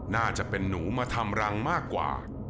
น่าจะเป็นหนูมาทำรังมากกว่า